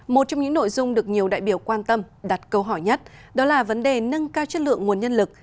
một trong những nội dung được nhiều đại biểu quan tâm đặt câu hỏi nhất đó là vấn đề nâng cao chất lượng nguồn nhân lực